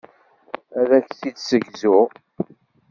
Ad ak-tt-id-ssegzuɣ.